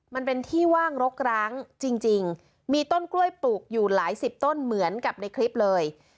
มันเป็นที่ว่างรกร้างจริงมีต้นกล้วยปลูกอยู่หลายสิบต้นเหมือนกับในคลิปเลย